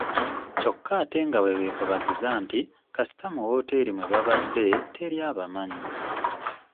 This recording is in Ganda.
Kyokka ate nga bwe beekubagiza nti kasita mu kawooteri mwe babade teri abamanyi.